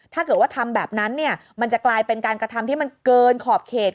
ถ้าเกิดว่าทำแบบนั้นเนี่ยมันจะกลายเป็นการกระทำที่มันเกินขอบเขต